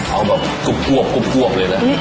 เออคือแบบกลุบกวบเลยแหละ